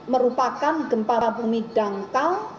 merupakan gempa bumi dangkal